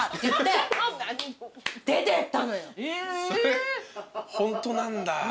それホントなんだ。